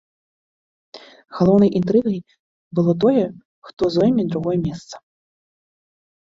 Галоўнай інтрыгай было тое, хто зойме другое месца.